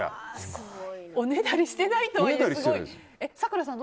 おねだりしてないとはいえすごい。